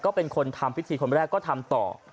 ก็เป็นคนทำพิธีคนแรกก็ทำต่อ